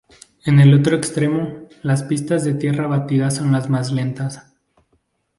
En el otro extremo, las pistas de tierra batida son las más lentas.